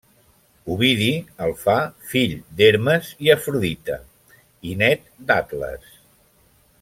Ovidi el fa fill d'Hermes i Afrodita i nét d'Atles.